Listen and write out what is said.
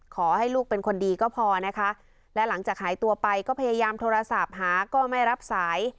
ขอให้ลูกเป็นคนดีก็พอนะคะและหลังจากหายตัวไปก็พยายามโทรศัพท์หาก็ไม่รับสาย